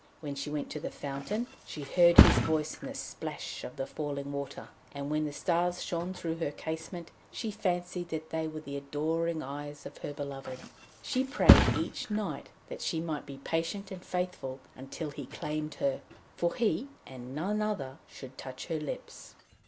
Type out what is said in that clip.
When she went to the fountain, she heard his voice in the splash of the falling water, and when the stars shone through her casement, she fancied that they were the adoring eyes of her beloved. She prayed each night that she might be patient and faithful until he claimed her, for he, and none other, should touch her lips.